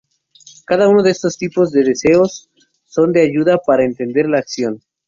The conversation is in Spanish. Cada uno de estos tipos de deseos son de ayuda para entender la acción.